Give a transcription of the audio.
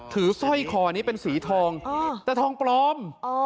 ถือสร้อยคอนี้เป็นสีทองอ๋อแต่ทองปลอมอ๋อ